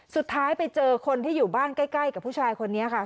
สุดท้ายไปเจอคนที่อยู่บ้านใกล้กับผู้ชายคนนี้ค่ะ